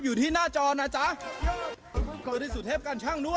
อยู่ที่หน้าจอนะจ๊ะโกที่สุเทพการชั่งด้วย